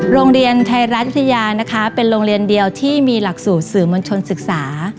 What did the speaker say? โรงเรียนไทยรัฐวิทยานะคะเป็นโรงเรียนเดียวที่มีหลักสูตรสื่อมวลชนศึกษา